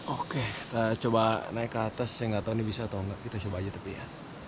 oke coba naik ke atas saya nggak tahu ini bisa atau enggak kita coba aja tapi ya